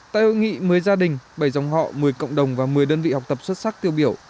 tại hội nghị một mươi gia đình bảy dòng họ một mươi cộng đồng và một mươi đơn vị học tập xuất sắc tiêu biểu